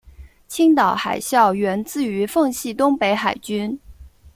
青岛海校源自于奉系东北海军。